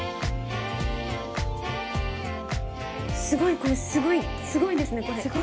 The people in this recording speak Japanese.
すごいこれすごいすごいですねこれ。